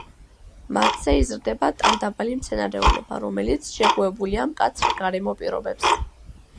მათზე იზრდება ტანდაბალი მცენარეულობა, რომელიც შეგუებულია მკაცრ გარემო პირობებს.